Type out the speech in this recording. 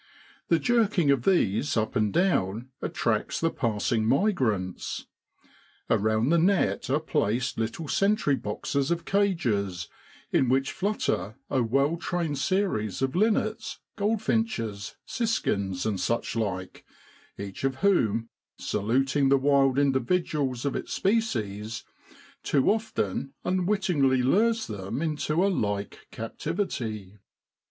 The jerking of these up and down attracts the passing migrants. Around the net are placed little sentry boxes of cages in which flutter a well trained series of linnets, goldfinches, siskins, and such like, each of whom, saluting the wild individuals of its species, too often unwittingly lures them into a like captivity.